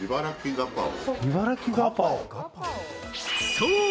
そう。